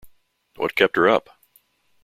What kept her up?